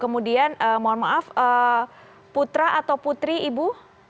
kemudian mohon maaf putra atau putri ibu